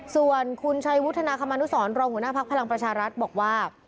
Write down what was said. ส่วนคุณชัยวุฒนาคมนุสรรองหัวหน้าภักดิ์พลังประชารัฐบอกว่า